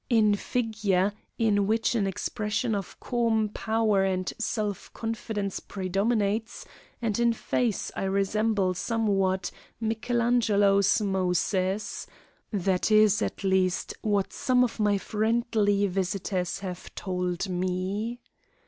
In figure, in which an expression of calm power and self confidence predominates, and in face, I resemble somewhat Michaelangelo's "Moses" that is, at least what some of my friendly visitors have told me.